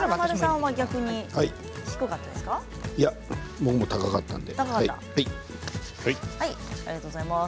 僕も高かったので。